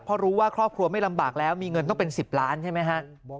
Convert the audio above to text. เพราะรู้ว่าครอบครัวไม่ลำบากแล้วมีเงินต้องเป็น๑๐ล้านใช่ไหมฮะ